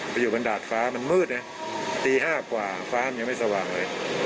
ไปอยู่บนดาดฟ้ามันมืดนะตี๕กว่าฟ้ามันยังไม่สว่างเลย